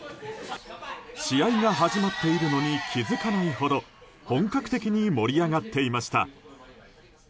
試合が始まっているのに気づかないほど本格的に盛り上がっていました。